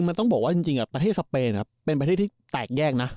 มันต้องบอกว่าจริงประเทศสเปนเป็นประเทศที่แตกแยกนะ